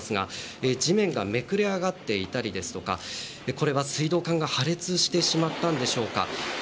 地面がめくれ上がっていたりこれは水道管が破裂してしまったのでしょうか。